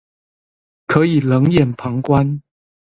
可以冷眼旁觀